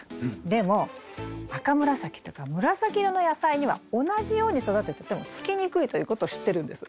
でも赤紫とか紫色の野菜には同じように育てててもつきにくいということを知ってるんです。